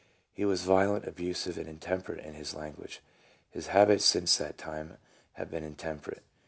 He was violent, abusive, and intemperate in his language. His habits since that time have been intemperate.